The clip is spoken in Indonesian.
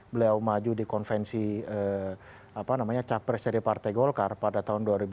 beliau maju di konvensi capres dari partai golkar pada tahun dua ribu empat belas